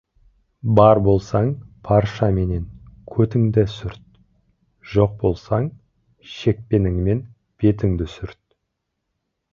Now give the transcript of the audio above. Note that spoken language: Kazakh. Бар болсаң, паршаменен көтіңді сүрт, жоқ болсаң, шекпеніңмен бетіңді сүрт.